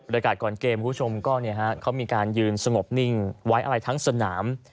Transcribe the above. อากาศก่อนเกมคุณผู้ชมก็เขามีการยืนสงบนิ่งไว้อะไรทั้งสนาม